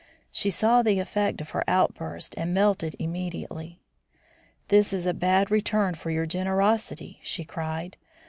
She saw the effect of her outburst, and melted immediately. "This is a bad return for your generosity," she cried.